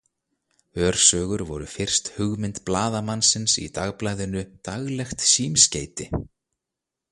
Örsögur voru fyrst hugmynd blaðamanninsins í dagblaðinu „Daglegt Símskeiti“.